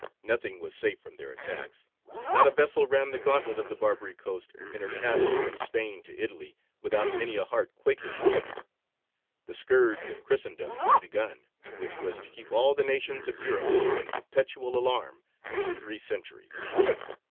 Nothing was safe from their attacks; not a vessel ran the gauntlet of the Barbary coast in her passage from Spain to Italy without many a heart quaking within her. The "Scourge of Christendom" had begun, which was to keep all the nations of Europe in perpetual alarm for three centuries.